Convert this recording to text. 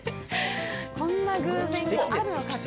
こんな偶然があるのかと。